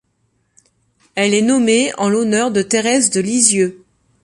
Elle est nommée en l'honneur de Thérèse de Lisieux.